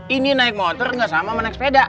ini naik motor ga sama menarik